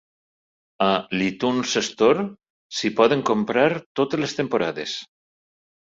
A l'iTunes Store s'hi poden comprar totes les temporades.